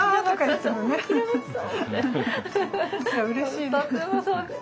うれしいです。